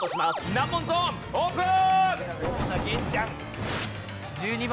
難問ゾーンオープン！